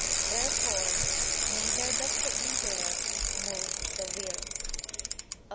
Therefore neither does the intellect move the will. Obj.